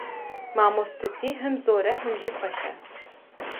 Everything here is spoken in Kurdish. Mamostetî him zor e him jî xweş e.